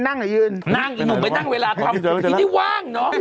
นั่งไอ้หนูนั่งเวลาทำไอ้นี่ว่างนะ